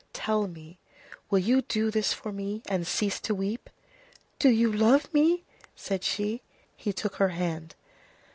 Tell me, will you do this for me, and cease to weep?" "Do you love me?" said she. He took her hand.